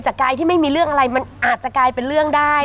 กายที่ไม่มีเรื่องอะไรมันอาจจะกลายเป็นเรื่องได้